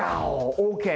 オッケー！